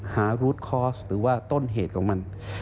รูดคอร์สหรือว่าต้นเหตุของมัน